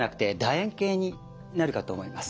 円形になるかと思います。